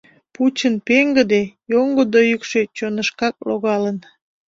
Пучын пеҥгыде, йоҥгыдо йӱкшӧ чонышкак логалын.